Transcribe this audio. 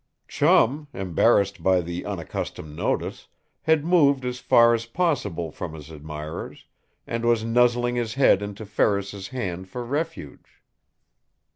Chum, embarrassed by the unaccustomed notice, had moved as far as possible from his admirers, and was nuzzling his head into Ferris's hand for refuge.